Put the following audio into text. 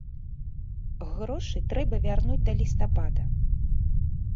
Грошы трэба вярнуць да лістапада.